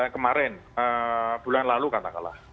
kemarin bulan lalu katakanlah